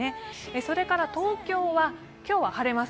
それから東京は今日は晴れます。